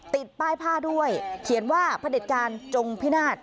ติดป้ายผ้าด้วยเขียนว่าพระเด็จการจงพินาศ